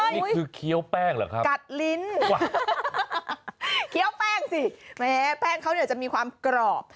นี่คือเคี้ยวแป้งเหรอครับกัดลิ้นเคี้ยวแป้งสิแม้แป้งเขาเนี่ยจะมีความกรอบ